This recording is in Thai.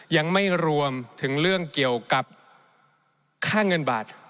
ยังไม่รวมถึงเรื่องเกี่ยวกับค่าเงินบาท